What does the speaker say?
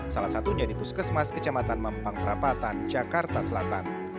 salah satunya di puskesmas kecamatan mempang perapatan jakarta selatan